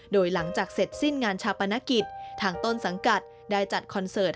โดยหลังจากเสร็จสิ้นงานชาปนกิจทางต้นสังกัดได้จัดคอนเสิร์ต